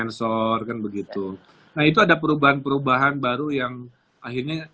handle semua pakai apa yang sensor kan begitu nah itu ada perubahan perubahan baru yang akhirnya